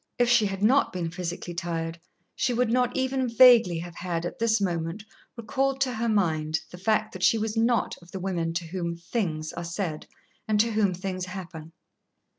If she had not been physically tired, she would not even vaguely have had, at this moment, recalled to her mind the fact that she was not of the women to whom "things" are said and to whom things happen.